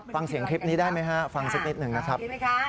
ฟังเสียงคลิปนี้ได้ไหมฮะฟังสักนิดหนึ่งนะครับ